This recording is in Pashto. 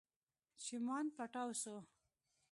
چې ماين پټاو سو.